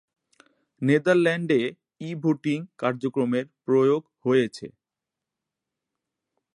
নেদারল্যান্ডে ই-ভোটিং কার্যক্রমের প্রয়োগ হয়েছে।